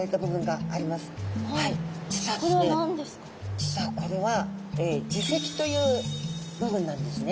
実はこれは耳石という部分なんですね。